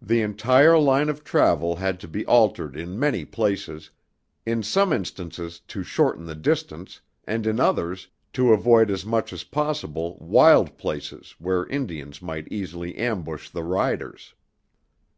The entire line of travel had to be altered in many places, in some instances to shorten the distance, and in others, to avoid as much as possible, wild places where Indians might easily ambush the riders.